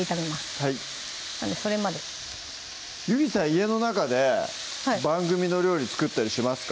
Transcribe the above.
はいそれまでゆりさん家の中で番組の料理作ったりしますか？